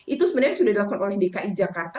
itu sebenarnya sudah dilakukan oleh dki jakarta